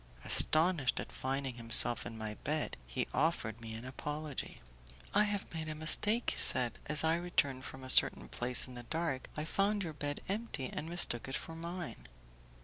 Astonished at finding himself in my bed, he offered me an apology: "I have made a mistake," he said, "as I returned from a certain place in the dark, I found your bed empty, and mistook it for mine."